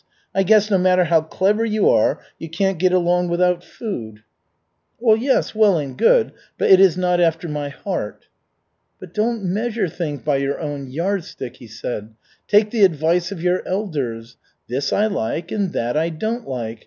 I guess, no matter how clever you are, you can't get along without food." "Yes, well and good, but it is not after my heart." "But don't measure things by your own yardstick. Take the advice of your elders. 'This I like, and that I don't like.'